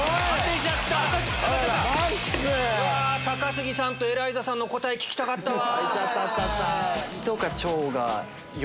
高杉さんとエライザさんの答え聞きたかったわ。